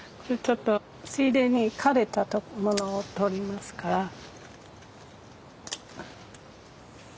ちょっとついでに枯れたものを取りますから。